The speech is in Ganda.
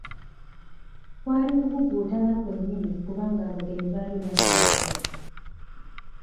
Kwali kubuguutana kwennyini kubanga abagenyi baali batuuse.